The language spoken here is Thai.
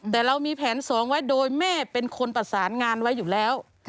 แต่เรามีแผน๒ไว้โดยแม่เป็นคนประสานงานไว้อยู่แล้ว